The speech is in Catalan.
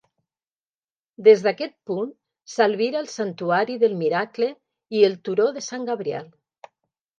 Des d'aquest punt s'albira el santuari del Miracle i el turó de Sant Gabriel.